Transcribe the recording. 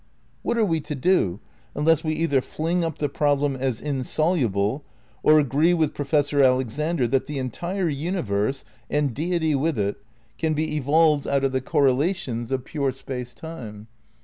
What are we to do, unless we either fling up the prob lem as insoluble, or agree with Professor Alexander that the entire universe, and Deity with it, can be evolved out of the correlations of pure Space Time?